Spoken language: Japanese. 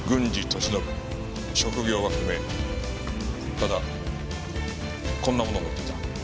ただこんなものを持っていた。